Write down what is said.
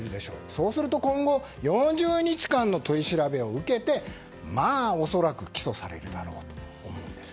そうすると今後４０日間の取り調べを受けて恐らく、起訴されるだろうと思うんです。